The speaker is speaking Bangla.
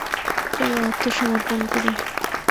চল আত্মসমর্পণ করি।